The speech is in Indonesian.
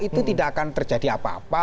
itu tidak akan terjadi apa apa